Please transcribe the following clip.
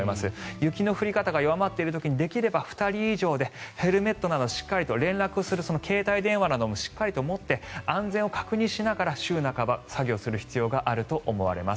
雪の降り方が弱まっている時にできれば２人以上でヘルメットなど、しっかりと連絡をする携帯電話などもしっかりと持って安全を確認しながら週半ば、作業する必要があると思われます。